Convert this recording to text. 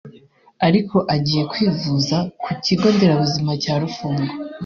Ariko agiye kwivuza ku kigo nderabuzima cya Rufungo